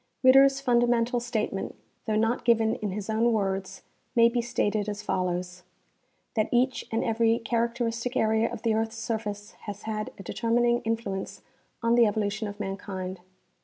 Ritter's fundamental statement, though not given in his own words, may be stated as follows : That each and every characteristic area of the earth's surface has had a determining influence on the evolution of mankind.